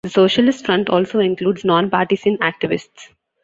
The Socialist Front also includes non-partisan activists.